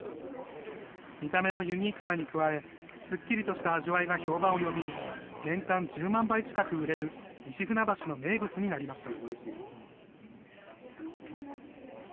見た目のユニークさに加え、すっきりとした味わいが評判を呼び、年間１０万杯近く売れる、西船橋の名物になりました。